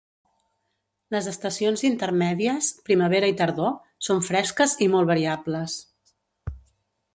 Les estacions intermèdies, primavera i tardor, són fresques i molt variables.